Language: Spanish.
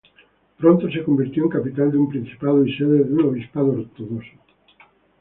Pronto se convertiría en capital de un principado y sede de un obispado ortodoxo.